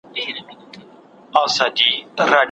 که ښځې پوهې وي نو ماشومان پوهیږي.